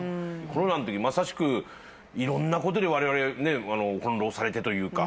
コロナのときまさしくいろんなことでわれわれ翻弄されてというか。